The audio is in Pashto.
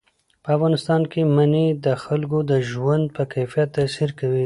په افغانستان کې منی د خلکو د ژوند په کیفیت تاثیر کوي.